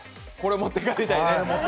持って帰りたい。